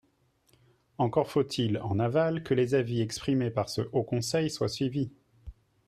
Encore faut-il, en aval, que les avis exprimés par ce Haut conseil soient suivis.